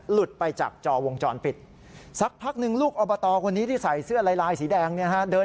หลุดไปจากจอวงจรปิด